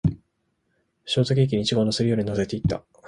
ショートケーキにイチゴを乗せるように乗せていった